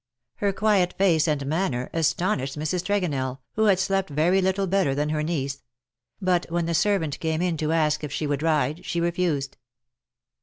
Her quiet face and manner astonished Mrs. Tregonell, who had slept very little better than her niece ; but when the servant came in to ask if she would ride she refused.